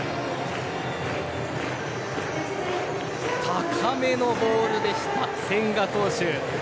高めのボールでした、千賀投手。